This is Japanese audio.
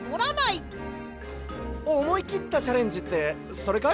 おもいきったチャレンジってそれかい？